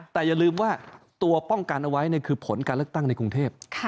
แต่อย่าลืมว่าตัวป้องกันเอาไว้คือผลการเลือกตั้งในกรุงเทพ